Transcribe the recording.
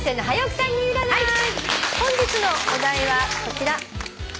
本日のお題はこちら。